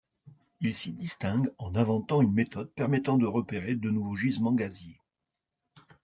Il s'y distingue en inventant une méthode permettant de repérer de nouveaux gisements gaziers.